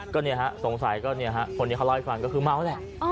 ก็เนี่ยฮะสงสัยก็เนี่ยฮะคนนี้เขาเล่าให้ฟังก็คือเมาแหละ